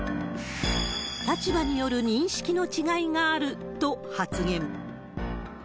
立場による認識の違いがあると発言。